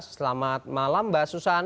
selamat malam mbak susan